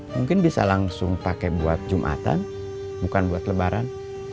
mungkin bisa langsung pakai buat jumatan bukan buat lebaran